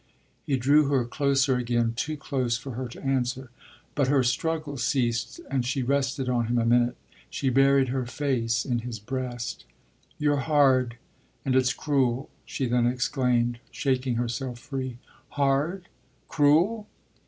He drew her closer again, too close for her to answer. But her struggle ceased and she rested on him a minute; she buried her face in his breast. "You're hard, and it's cruel!" she then exclaimed, shaking herself free. "Hard cruel?"